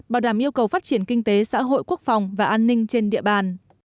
bảo đảm yêu cầu phát triển kinh tế xã hội quốc phòng và an ninh trên địa bàn